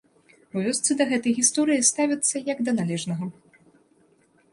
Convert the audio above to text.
У вёсцы да гэтай гісторыі ставяцца як да належнага.